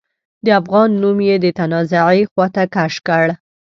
د افغان نوم يې د تنازعې خواته کش کړ.